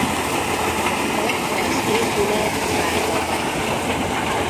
Ma az épület zárva van.